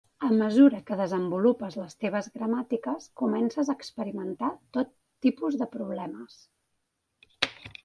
A mesura que desenvolupes les teves gramàtiques, comences a experimentar tot tipus de problemes.